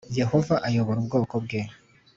Yehova ayobora ubwoko bwe